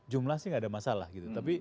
jumlah sih nggak ada masalah gitu